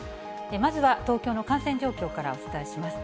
まずは東京の感染状況からお伝えします。